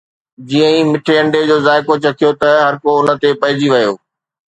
جيئن ئي مٺي انڊيءَ جو ذائقو چکيو ته هر ڪو ان تي پئجي ويو